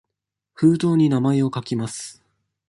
封筒に名前を書きます。